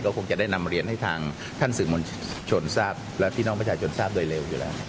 คงจะได้นำเรียนให้ทางท่านสื่อมวลชนทราบและพี่น้องประชาชนทราบโดยเร็วอยู่แล้ว